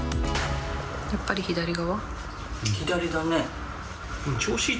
やっぱり左側？